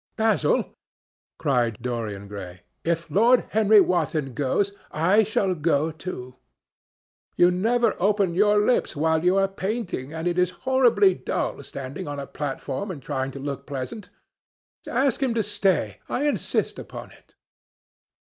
"Basil," cried Dorian Gray, "if Lord Henry Wotton goes, I shall go, too. You never open your lips while you are painting, and it is horribly dull standing on a platform and trying to look pleasant. Ask him to stay. I insist upon it."